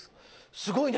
すごいね。